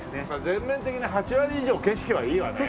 全面的に８割以上景色はいいわね。